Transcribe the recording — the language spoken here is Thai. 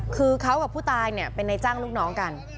คือเขากับผู้ตายเป็นนายจ้างลูกน้องกัน